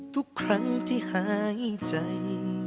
ทุกครั้งที่หายใจ